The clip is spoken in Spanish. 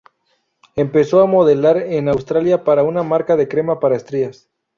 Empezó a modelar en Australia para una marca de crema para estrías.